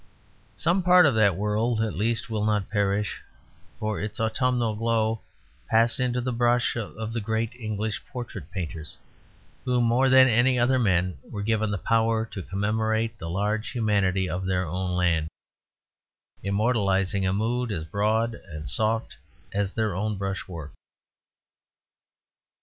Some part of that world at least will not perish; for its autumnal glow passed into the brush of the great English portrait painters, who, more than any other men, were given the power to commemorate the large humanity of their own land; immortalizing a mood as broad and soft as their own brush work.